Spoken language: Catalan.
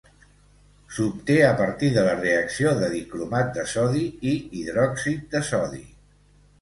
S'obté a partir de la reacció de dicromat de sodi i hidròxid de sodi.